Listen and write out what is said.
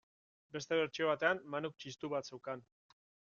Beste bertsio batean, Manuk txistu bat zeukan.